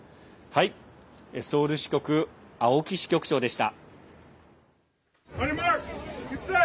ソウル支局、青木支局長でした。